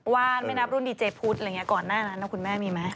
ว่านไม่นับรุ่นดีเจพุทธอะไรอย่างนี้ก่อนหน้านั้นนะคุณแม่มีไหม